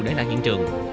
để đạt hiện trường